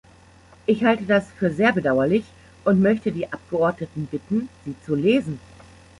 Ich halte das für sehr bedauerlich und möchte die Abgeordneten bitten, sie zu lesen.